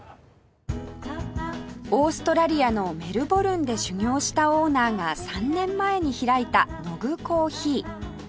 オーストラリアのメルボルンで修業したオーナーが３年前に開いたノグコーヒー